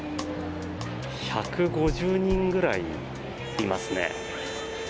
１５０人ぐらいいますね。